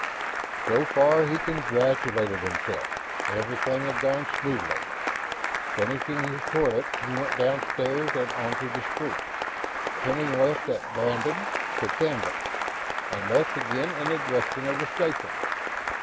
So far, he congratulated himself, everything had gone smoothly. Finishing his toilet, he went downstairs and onto the street, turning left at Brandon to Campbell, and left again in the direction of the station.